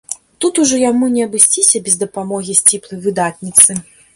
Тут ужо яму не абысціся без дапамогі сціплай выдатніцы.